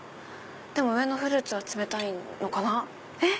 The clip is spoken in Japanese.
でも上のフルーツは冷たいのかな？